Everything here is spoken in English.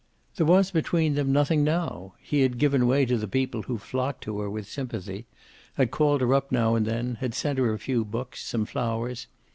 There was, between them, nothing now. He had given way to the people who flocked to her with sympathy, had called her up now and then, had sent her a few books, some flowers.